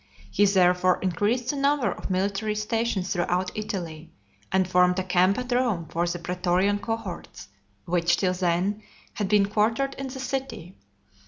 He therefore increased the number of military stations throughout Italy; and formed a camp at Rome for the pretorian cohorts, which, till then, had been quartered in the city.